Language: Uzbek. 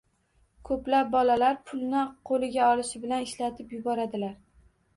Ko‘plab bolalar pulni qo‘liga olishi bilan ishlatib yuboradilar.